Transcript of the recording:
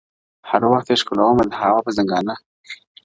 o هر وخت يې ښكلومه د هـــوا پــــر ځــنـگانه.